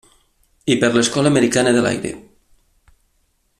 I per l'Escola Americana de l'Aire.